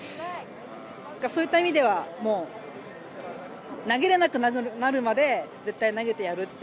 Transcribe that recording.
そういった意味では投げられなくなるまで絶対、投げてやるって。